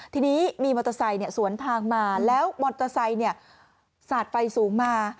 ทีนี้มีมอเตอร์ไซค์สวนทางมาแล้วมอเตอร์ไซค์สาดไฟสูงมา